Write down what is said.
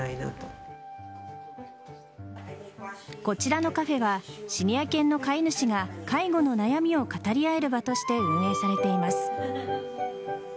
こちらのカフェはシニア犬の飼い主が介護の悩みを語り合える場として運営されています。